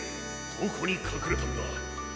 どこにかくれたんだ。